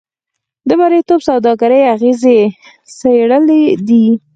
د مریتوب د سوداګرۍ اغېزې څېړلې دي.